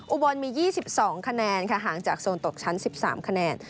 อุบลมียี่สิบสองคะแนนค่ะห่างจากโซนตกชั้นสิบสามคะแนน